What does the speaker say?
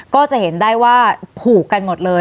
ก็จะเห็นได้ว่าผูกกันหมดเลย